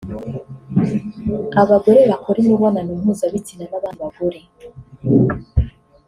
abagore bakora imibonano mpuzabitsina n’abandi bagore